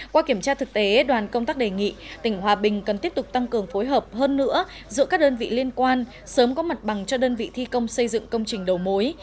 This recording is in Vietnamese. qua kiểm tra thực tế đoàn công tác đề nghị tỉnh hòa bình cần tiếp tục tăng cường phối hợp hơn nữa giữa các đơn vị liên quan sớm có mặt bằng cho đơn vị thi công xây dựng công trình đầu mối